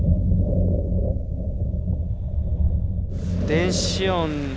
電子音。